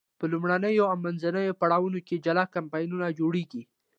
په لومړنیو او منځنیو پړاوونو کې جلا کمپاینونه جوړیږي.